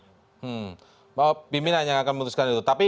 tapi biasanya seperti yang lain lain kalau belajar dari bukan dari kasus pak sarpani